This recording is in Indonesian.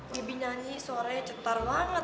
bebi nyanyi suaranya cetar banget